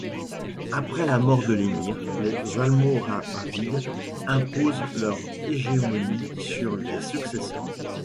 Après la mort de l'émir, les Almoravides imposent leur hégémonie sur les successeurs.